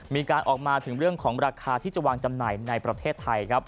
มีการออกมาถึงเรื่องของราคาที่จะวางจำหน่ายในประเทศไทยครับ